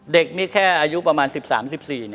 เด็กนี่แค่อายุประมาณ๑๓๑๔